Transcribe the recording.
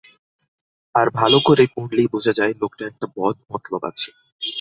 আর ভালো করে পড়লেই বোঝা যায়, লোকটার একটা বদ মতলব আছে।